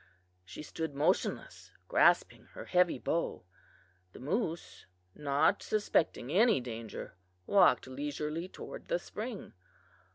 She stood motionless, grasping her heavy bow. The moose, not suspecting any danger, walked leisurely toward the spring.